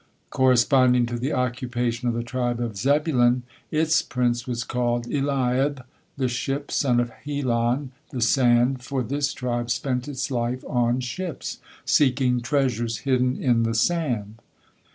Corresponding to the occupation of the tribe of Zebulun, its prince was called Eliab, "the ship," son of Helon, "the sand," for this tribe spent its life on ships, seeking "treasures hidden in the sand."